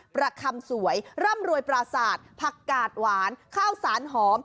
ประคำสวยร่ำรวยปราสาทผักกาดหวานข้าวสารหอม